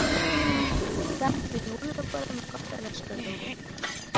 تخت د نیولو لپاره ناکام تلاښ کړی وو.